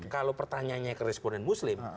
kalau pertanyaannya ke responden muslim